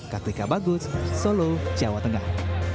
kak lika bagus solo jawa tengah